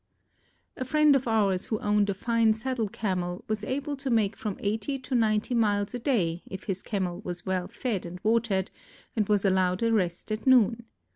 A friend of ours who owned a fine saddle Camel was able to make from eighty to ninety miles a day if his Camel was well fed and watered and was allowed a rest at noon.